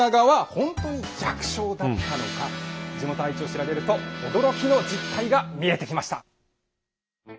地元の愛知を調べると驚きの実態が見えてきました。